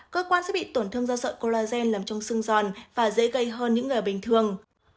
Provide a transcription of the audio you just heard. cơ quan sẽ bị tổn thương do sợi colagen làm trong sưng giòn và dễ gây hơn những người bình thường